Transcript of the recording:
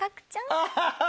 アハハ！